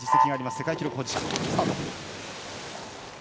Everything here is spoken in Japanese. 世界記録保持者。